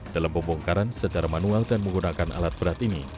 dalam pembongkaran secara manual dan menggunakan alat berat ini